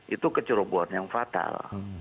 itu kecerobohan yang fatal